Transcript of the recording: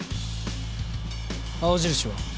青印は？